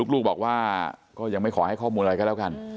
ลูกบอกว่าก็ยังไม่ขอให้ข้อมูลอะไรก็แล้วกัน